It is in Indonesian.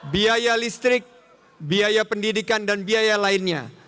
biaya listrik biaya pendidikan dan biaya lainnya